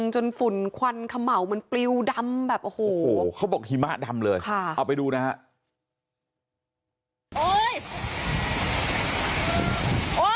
ฝุ่นควันเขม่ามันปลิวดำแบบโอ้โหเขาบอกหิมะดำเลยเอาไปดูนะฮะ